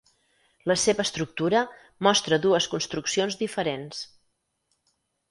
La seva estructura mostra dues construccions diferents.